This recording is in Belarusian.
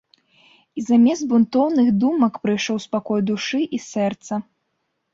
І замест бунтоўных думак прыйшоў спакой душы і сэрца.